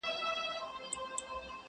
هم به مور هم به عالم درنه راضي وي!!